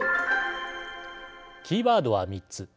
キーワードは３つ。